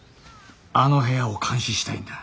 あの部屋を監視したいんだ。